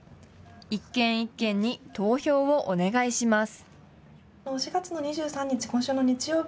一軒一軒に投票をお願いします。